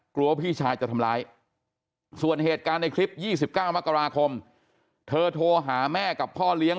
พี่ชายจะทำร้ายส่วนเหตุการณ์ในคลิป๒๙มกราคมเธอโทรหาแม่กับพ่อเลี้ยง